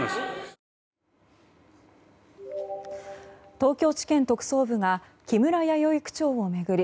東京地検特捜部が木村弥生区長を巡り